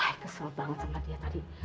eh kesel banget sama dia tadi